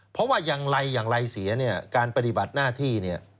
เพราะว่าอย่างไรอย่างไรเสียเนี่ยการปฏิบัติหน้าที่เนี่ย